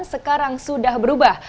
sekarang sudah berubah